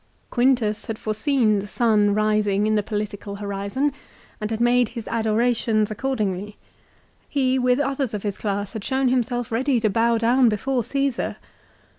Quintus had foreseen the sun rising in the political horizon and had made his adorations accordingly. He, with others of his class, had shown himself ready to bow down before Csesar.